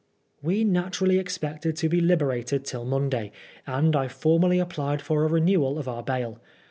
We naturally expected to be liberated till Monday, and I formally applied for a renewal of our bail.